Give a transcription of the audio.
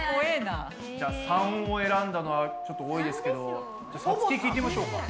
じゃ③を選んだのはちょっと多いですけどさつき聞いてみましょうか。